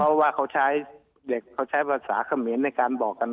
เพราะว่าเขาใช้เด็กเขาใช้ภาษาเขมรในการบอกกัน